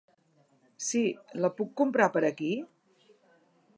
Si, la puc comprar per aquí?